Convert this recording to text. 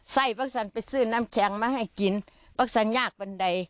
ไส้ปรักษันไปซื้อน้ำแข็งมาให้กินปรักษันยากบันใด